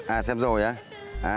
à xem rồi ạ